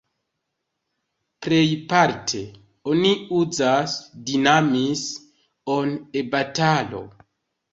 Plejparte, oni uzas "dinamis"-on en batalo.